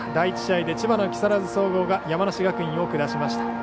第１試合で千葉の木更津総合が山梨学院を下しました。